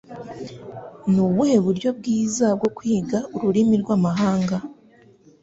Nubuhe buryo bwiza bwo kwiga ururimi rwamahanga?